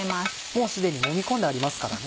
もうすでにもみ込んでありますからね。